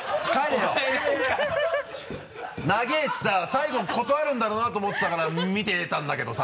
長いしさ最後断るんだろうなと思ってたから見てたんだけどさ。